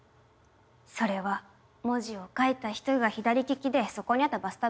それは文字を書いた人が左利きでそこにあったバスタブが邪魔だったからです。